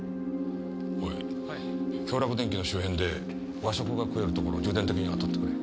おい京洛電機の周辺で和食が食えるところを重点的に当たってくれ。